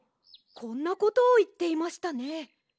こんなことをいっていましたね。